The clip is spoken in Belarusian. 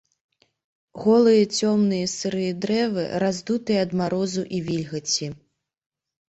Голыя цёмныя сырыя дрэвы, раздутыя ад марозу і вільгаці.